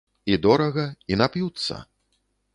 І дорага, і нап'юцца.